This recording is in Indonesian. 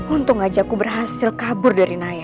untung aja aku berhasil kabur dari naya